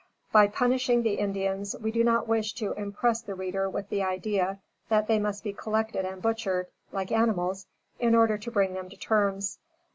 By punishing the Indians we do not wish to impress the reader with the idea that they must be collected and butchered, like animals, in order to bring them to terms.